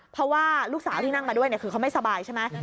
เพราะว่าลูกสาวที่นั่งมาด้วยคือเขาไม่สบายใช่ไหม